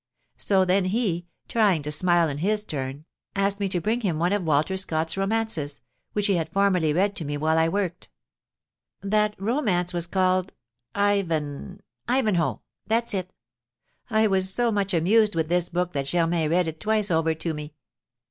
So then he, trying to smile in his turn, asked me to bring him one of Walter Scott's romances, which he had formerly read to me while I worked, that romance was called 'Ivan ' 'Ivanhoe,' that's it. I was so much amused with this book that Germain read it twice over to me.